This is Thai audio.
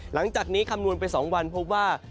หลังจากนี้คำนวณไป๒วันพบว่า